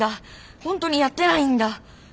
ほんとにやってないんだ！